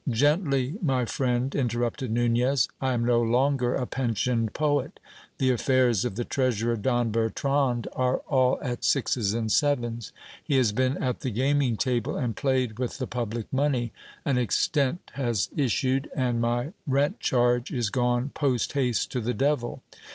Gently, my friend, interrupted Nunez : I am no longer a pensioned poet. The affairs of the treasurer Don Bertrand are all at sixes and sevens : he has. been at the gaming table, and played with the public money : an extent has issued, and my rent charge is gone posthaste to the devil.